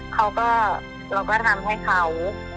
เขาก็เราก็ทำให้เขา